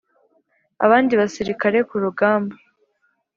abandi basirikare ku rugamba